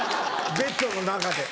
ベッドの中で。